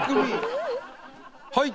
はい。